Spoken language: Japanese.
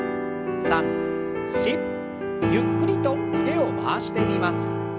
ゆっくりと腕を回してみます。